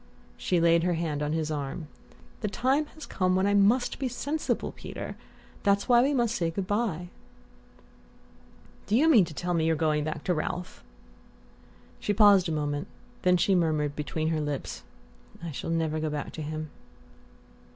She laid her hand on his arm. "The time has come when I must be sensible, Peter; that's why we must say good bye." "Do you mean to tell me you're going back to Ralph?" She paused a moment; then she murmured between her lips: "I shall never go back to him."